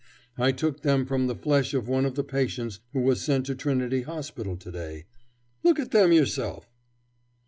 I took them from the flesh of one of the patients who was sent to Trinity Hospital to day. Look at them yourself."